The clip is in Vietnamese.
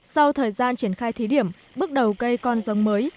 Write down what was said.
sau thời gian triển khai thí điểm bước đầu cây con giống mới